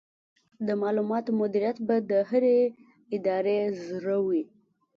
د معلوماتو مدیریت به د هرې ادارې زړه وي.